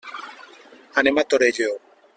Anem a Torelló.